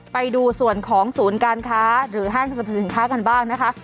ไปดูส่วนของศูนย์การค้าหรือห้างสรรพสินค้ากันบ้างนะคะ